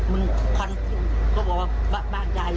มันหลายเส้นเลยประมาณ๓๐บาท